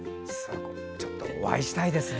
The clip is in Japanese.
ちょっとお会いしたいですね。